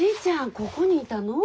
ここにいたの。